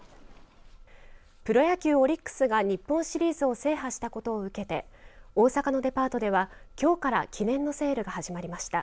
プロ野球オリックスが日本シリーズを制覇したことを受けて大阪のデパートではきょうから記念のセールが始まりました。